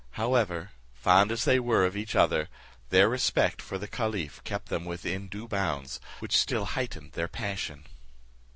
However, fond as they were of each other, their respect for the caliph kept them within due bounds, which still heightened their passion.